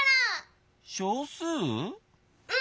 うん！